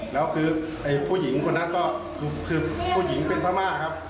แล้วคือผู้หญิงคนนั้นก็คือผู้หญิงเป็นพม่าครับ